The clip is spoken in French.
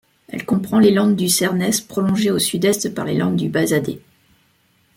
Elle comprend les Landes du Cernès prolongées au sud-est par les Landes du Bazadais.